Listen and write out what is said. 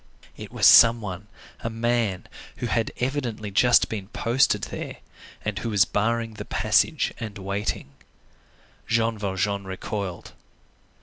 It was some one, a man, who had evidently just been posted there, and who was barring the passage and waiting. Jean Valjean recoiled.